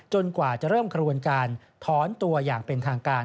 กว่าจะเริ่มกระบวนการถอนตัวอย่างเป็นทางการ